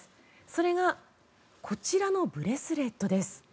それがこちらのブレスレットです。